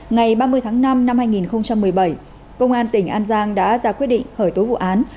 ngày ba mươi tháng năm năm hai nghìn một mươi bảy công an tỉnh an giang đã ra quyết định hởi tố vụ án